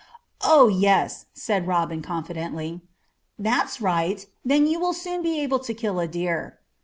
"Oh! yes," said Robin confidently. "That's right! then you will soon be able to kill a deer."